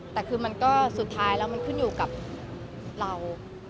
แต่คือมันก็สุดท้ายแล้วมันขึ้นอยู่กับเรา